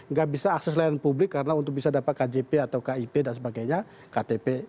nggak bisa akses layanan publik karena untuk bisa dapat kjp atau kip dan sebagainya ktp